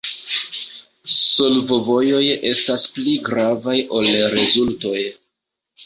Solvovojoj estas pli gravaj ol rezultoj.